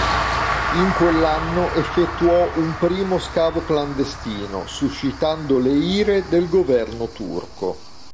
In quell'anno effettuò un primo scavo clandestino, suscitando le ire del governo turco.